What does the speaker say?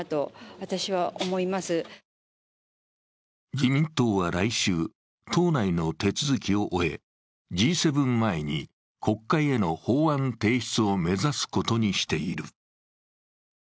自民党は来週、党内の手続きを終え、Ｇ７前に国会への法案提出を目指すことにしている。